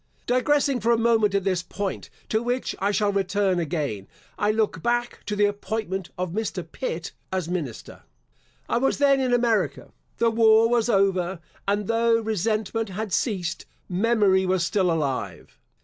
Digressing for a moment at this point, to which I shall return again, I look back to the appointment of Mr. Pitt, as minister. I was then in America. The war was over; and though resentment had ceased, memory was still alive.